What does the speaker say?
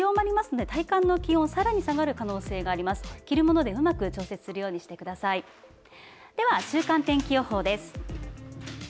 では、週間天気予報です。